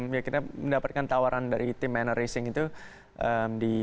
ya kita mendapatkan tawaran dari tim manorim dan saya juga berpikir bahwa dia akan bergabung dengan rio haryanto